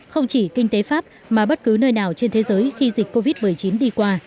không chỉ kinh tế pháp mà bất cứ nơi nào trên thế giới khi dịch covid một mươi chín đi qua